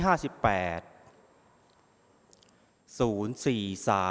ออกรวมที่๕ครั้งที่๕๘